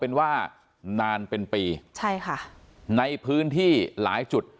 เอาหน้าเป็นปีในพื้นที่หลายจุด